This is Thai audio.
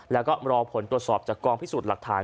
แล้วก็รอผลตรวจสอบจากกองพิสูจน์หลักฐาน